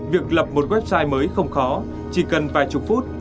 việc lập một website mới không khó chỉ cần vài chục phút